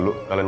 sudah zat lari